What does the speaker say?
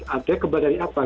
ada kebal dari apa